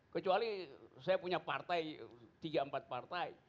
kecuali saya punya partai tiga empat partai